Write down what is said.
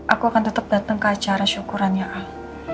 aku akan tetep dateng ke acara syukuran ya al